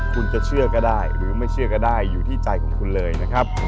คุณจะเชื่อก็ได้หรือไม่เชื่อก็ได้อยู่ที่ใจของคุณเลยนะครับ